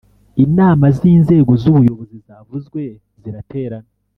inama z’inzego z’ubuyobozi zavuzwe ziraterana